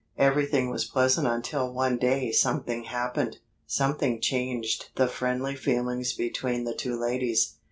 Everything was pleasant until one day something happened. Something changed the friendly feelings between the two ladies.